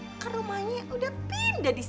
si handoko sama mila ke rumahnya udah pindah di sini